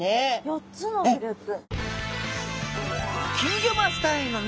４つのグループ。